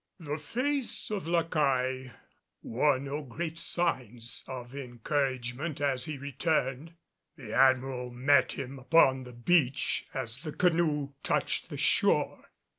The face of La Caille wore no great signs of encouragement as he returned. The Admiral met him upon the beach as the canoe touched the shore.